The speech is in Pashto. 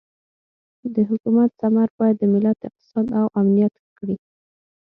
د حکومت ثمر باید د ملت اقتصاد او امنیت ښه کړي.